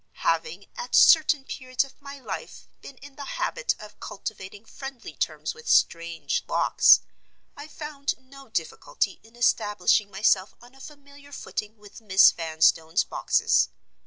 Having, at certain periods of my life been in the habit of cultivating friendly terms with strange locks, I found no difficulty in establishing myself on a familiar footing with Miss Vanstone's boxes.